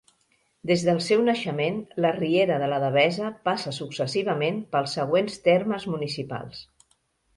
Des del seu naixement, la Riera de la Devesa passa successivament pels següents termes municipals.